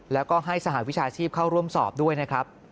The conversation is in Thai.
แล้วก็ให้สหวิชาชีพเข้าร่วมสอบด้วยนะครับ